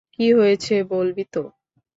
কি হয়েছে বলবি তো?